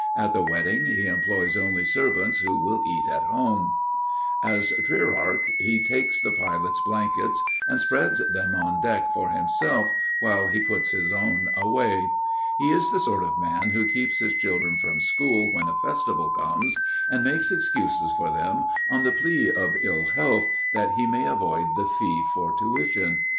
At the wedding, he employs only servants who will eat at home. As trierarch he takes the pilot's blankets and spreads them on deck for himself, while he puts his own away. He is the sort of man who keeps his children from school when a festival comes, and makes excuses for them on the plea of ill health, that he may avoid the fee for tuition.